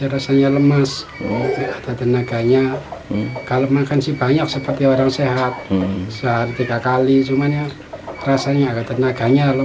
rasanya lumus susah buat jalan jalan gak melakukannya suat mendek